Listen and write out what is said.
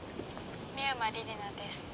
美山李里奈です。